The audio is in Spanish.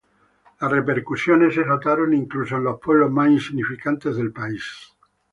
Las repercusiones se notaron incluso en los pueblos más insignificantes del país.